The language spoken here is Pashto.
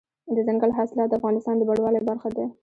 دځنګل حاصلات د افغانستان د بڼوالۍ برخه ده.